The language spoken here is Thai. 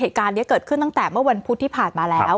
เหตุการณ์นี้เกิดขึ้นตั้งแต่เมื่อวันพุธที่ผ่านมาแล้ว